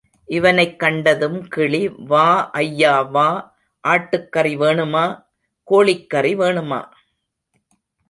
இவனைக் கண்டதும் கிளி, வா ஐயா, வா, ஆட்டுக்கறி வேணுமா? — கோழிக்கறி வேணுமா?